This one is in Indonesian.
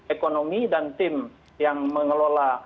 ekonomi dan tim yang mengelola